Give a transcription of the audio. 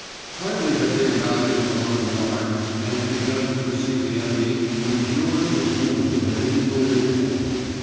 Hardly had they rallied along the Marne and begun to pursue the enemy when Georges was wounded and invalided home.